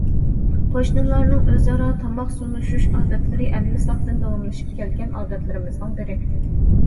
قوشنىلارنىڭ ئۆز ئارا تاماق سۇنۇشۇش ئادەتلىرى ئەلمىساقتىن داۋاملىشىپ كەلگەن ئادەتلىرىمىزنىڭ بىرى.